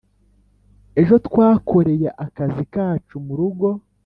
Ejo twakoreye akazi kacu murugo